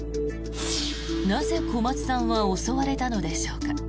なぜ、小松さんは襲われたのでしょうか。